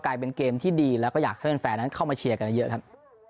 กลายเป็นเกมที่ดีแล้วก็อยากให้แฟนนั้นเข้ามาเชียร์กันเยอะครับ